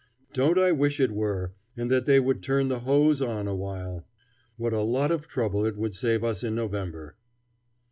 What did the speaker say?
Don't I wish it were, and that they would turn the hose on a while! What a lot of trouble it would save us in November.